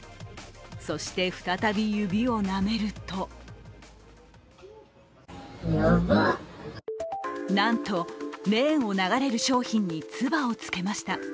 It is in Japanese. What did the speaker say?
そして再び指をなめるとなんと、レーンを流れる商品に唾をつけました。